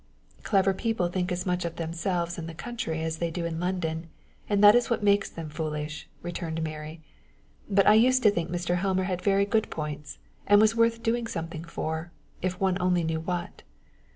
"Clever people think as much of themselves in the country as they do in London, and that is what makes them foolish," returned Mary. "But I used to think Mr. Helmer had very good points, and was worth doing something for if one only knew what."